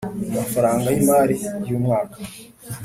Amafaranga y imari y umwaka